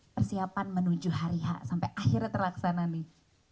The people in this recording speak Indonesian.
persiapan menuju hari h sampai akhirnya terlaksana nih